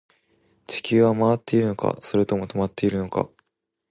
地球は回っているのか、それとも止まっているのか